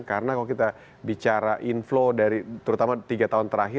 karena kalau kita bicara inflow dari terutama tiga tahun terakhir